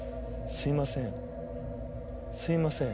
すいません。